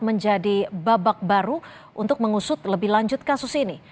menjadi babak baru untuk mengusut lebih lanjut kasus ini